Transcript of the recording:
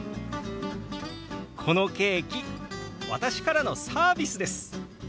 このケーキ私からのサービスです！